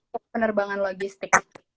jadi itu untuk penerbangan logistik